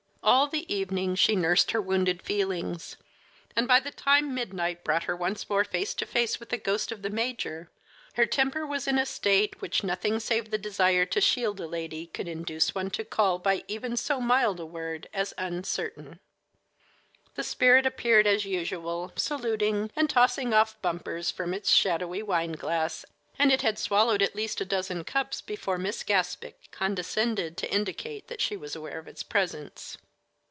All the evening she nursed her wounded feelings, and by the time midnight brought her once more face to face with the ghost of the major, her temper was in a state which nothing save the desire to shield a lady could induce one to call by even so mild a word as uncertain. The spirit appeared as usual, saluting, and tossing off bumpers from its shadowy wine glass, and it had swallowed at least a dozen cups before Miss Gaspic condescended to indicate that she was aware of its presence.